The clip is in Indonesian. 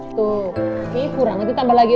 tuh ini kurang nanti tambah lagi aja ya